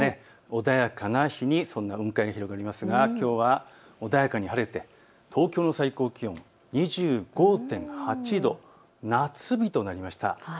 穏やかな日に雲海が広がりますがきょうはそんな穏やかな日で東京の最高気温２５．８度、夏日になりました。